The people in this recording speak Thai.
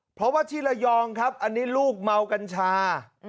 เพราะว่าที่ระยองครับอันนี้ลูกเมากัญชา